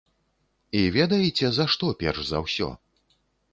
І ведаеце за што перш за ўсё?